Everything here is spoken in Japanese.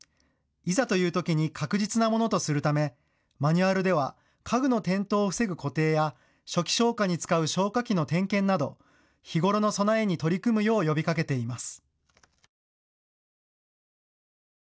いざというときに確実なものとするためマニュアルでは家具の転倒を防ぐ固定や初期消火に使う消火器の点検など日頃の備えに取り組むよう呼びかけています。